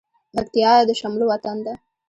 پکتيا د شملو وطن ده